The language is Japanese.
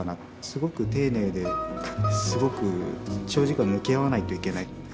すごく丁寧ですごく長時間向き合わないといけない。